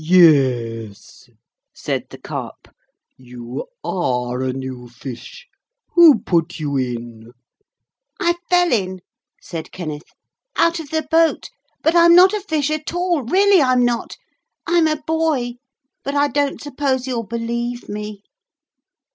'Yes,' said the Carp, 'you are a new fish. Who put you in?' 'I fell in,' said Kenneth, 'out of the boat, but I'm not a fish at all, really I'm not. I'm a boy, but I don't suppose you'll believe me.'